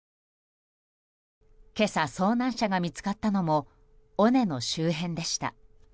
今朝、遭難者が見つかったのも尾根の周辺でした。